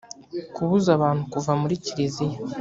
kubuza abantu kuva muri kiliziya